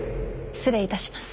失礼いたします。